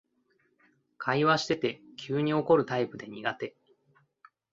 会話してて急に怒るタイプで苦手